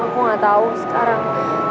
aku gak tahu sekarang